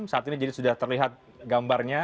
saat ini jadi sudah terlihat gambarnya